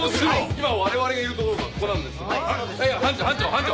今我々がいるところがここなんですがいや班長